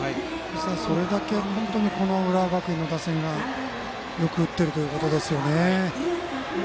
それだけ浦和学院の打線がよく打っているということですね。